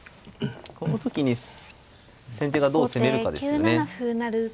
この時に先手がどう攻めるかですよね。